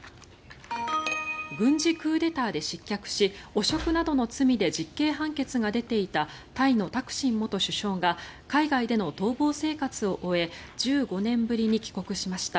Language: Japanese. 軍事クーデターで失脚し汚職などの罪で実刑判決が出ていたタイのタクシン元首相が海外での逃亡生活を終え１５年ぶりに帰国しました。